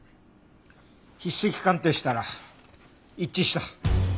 筆跡鑑定したら一致した。